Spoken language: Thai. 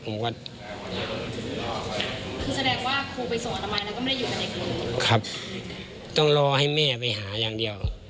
ผมก็คือแสดงว่าครูไปส่งอตมายแล้วก็ไม่ได้อยู่กับเด็กเลยต้องรอให้แม่ไปหาอย่างเดียว